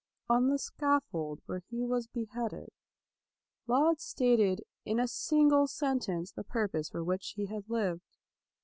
On the scaffold where he was beheaded Laud stated in a single sentence the pur pose for which he had lived.